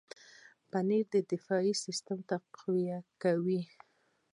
پنېر د دفاعي سیستم تقویه کوي.